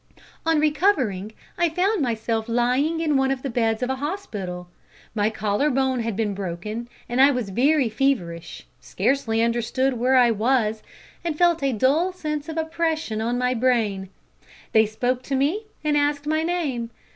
"On recovering I found myself lying in one of the beds of a hospital. My collar bone had been broken, and I was very feverish scarcely understood where I was, and felt a dull sense of oppression on my brain. They spoke to me, and asked my name.